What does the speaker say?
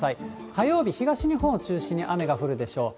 火曜日、東日本を中心に雨が降るでしょう。